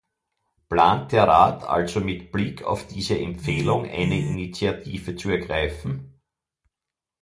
Plant der Rat also mit Blick auf diese Empfehlung eine Initiative zu ergreifen?